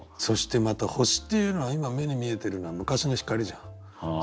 そしてまた星っていうのは今目に見えてるのは昔の光じゃん。